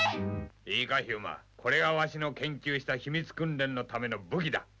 いいか、飛雄馬、これがわしの研究した秘密訓練のための武器だ。